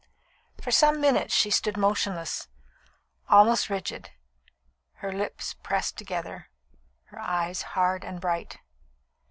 For some minutes she stood motionless, almost rigid, her lips pressed together, her eyes hard and bright.